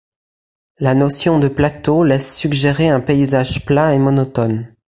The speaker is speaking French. La notion de plateau laisse suggérer un paysage plat et monotone.